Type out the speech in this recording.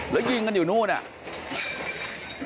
แล้วยิงกันอยู่นู่นเนี่ย